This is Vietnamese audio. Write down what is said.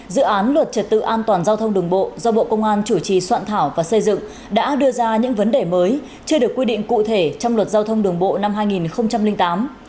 dự án luật trật tự an toàn giao thông đường bộ do bộ công an chủ trì soạn thảo và xây dựng đã đưa ra những vấn đề mới chưa được quy định cụ thể trong luật giao thông đường bộ năm hai nghìn tám